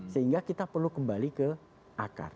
sehingga kita perlu kembali ke akar